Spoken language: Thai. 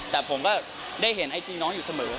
แต่ผมก็ได้เห็นไอจีน้องอยู่เสมอ